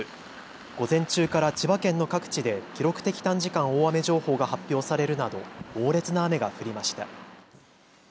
午前中から千葉県の各地で記録的短時間大雨情報が発表されるなど猛烈な雨が降りました。